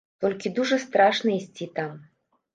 Толькі дужа страшна ісці там.